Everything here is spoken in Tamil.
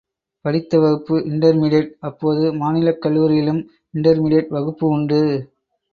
படித்த வகுப்பு இண்டர் மீடியட் அப்போது மாநிலக் கல்லூரியிலும் இண்டர் மீடியட் வகுப்பு உண்டு.